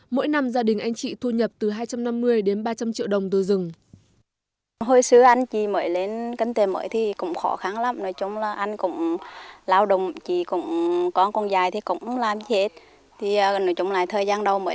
mỗi năm gia đình anh chị thu nhập từ hai trăm năm mươi đến ba trăm linh triệu đồng từ rừng